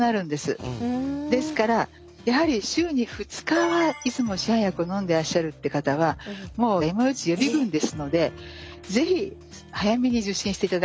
ですからやはり週に２日はいつも市販薬を飲んでいらっしゃるって方はもうＭＯＨ予備軍ですので是非早めに受診していただきたいと思います。